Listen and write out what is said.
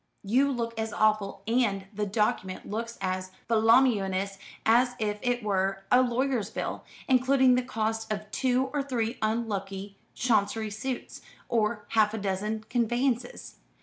You look as awful, and the document looks as voluminous, as if it were a lawyer's bill, including the costs of two or three unlucky Chancery suits, or half a dozen conveyances.